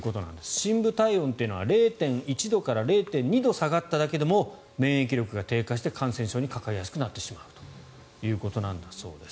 深部体温というのは０．１度から０．２度下がっただけでも免疫力が低下して、感染症にかかりやすくなってしまうということなんだそうです。